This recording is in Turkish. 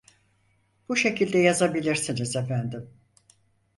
Bu şekilde yazabilirsiniz efendim